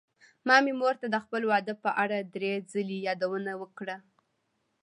ما مې مور ته د خپل واده په اړه دری ځلې يادوونه وکړه.